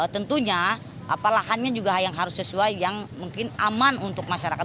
tentunya lahannya juga yang harus sesuai yang mungkin aman untuk masyarakat